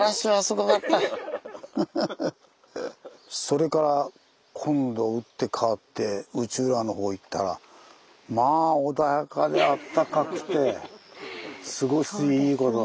それから今度打って変わって内浦のほう行ったらまあ穏やかであったかくて過ごしいいこと。